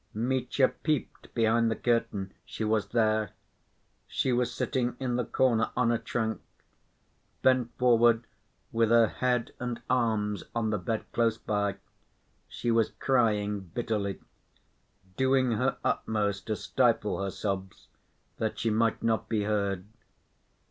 Mitya peeped behind the curtain—she was there. She was sitting in the corner, on a trunk. Bent forward, with her head and arms on the bed close by, she was crying bitterly, doing her utmost to stifle her sobs that she might not be heard.